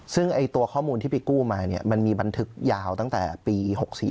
ซึ่งข้อมูลที่พี่กู้มามีบันทึกยาวตั้งแต่ปี๖๔